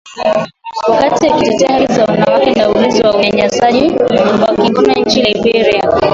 wakati akitetea haki za wanawake na ulinzi wa unyanyasaji wa kingono nchini Liberia